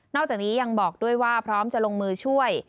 จากนี้ยังบอกด้วยว่าพร้อมจะลงมือช่วย